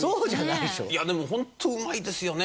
いやでもホントうまいですよね。